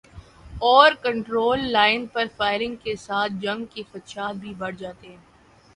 Over control line پر firing کے ساتھ جنگ کے خدشات بھی بڑھ جاتے ہیں۔